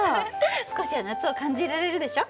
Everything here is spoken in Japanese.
少しは夏を感じられるでしょ？